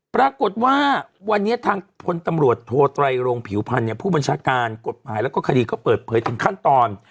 ปรากฏว่าวันนี้ทางพลตำรวจโทไตรโรงผิวพันธ์ผู้บัญชาการกฎหมายแล้วก็คดีก็เปิดเผยถึงขั้นตอน